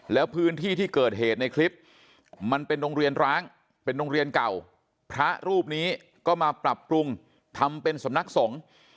แล้วพื้นที่ที่เกิดเหตุในคลิปมันเป็นโรงเรียนร้างเป็นโรงเรียนเก่าพระรูปนี้ก็มาปรับปรุงทำเป็นสำนักสงฆ์